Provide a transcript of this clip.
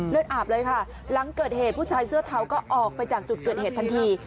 อาบเลยค่ะหลังเกิดเหตุผู้ชายเสื้อเทาก็ออกไปจากจุดเกิดเหตุทันที